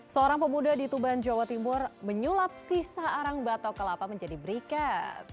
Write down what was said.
seorang pemuda di tuban jawa timur menyulap sisa arang batok kelapa menjadi berikat